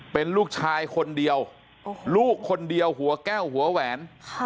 เป็นลูกชายคนเดียวลูกคนเดียวหัวแก้วหัวแหวน